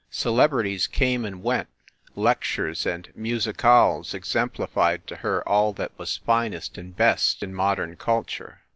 Celebrities came and went, lectures and musicales exemplified to her all that was finest and best in modern culture.